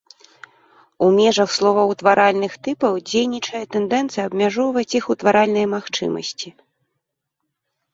У межах словаўтваральных тыпаў дзейнічае тэндэнцыя абмяжоўваць іх утваральныя магчымасці.